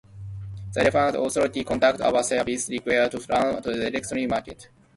The Electricity Authority contracts out the services required to run the electricity market.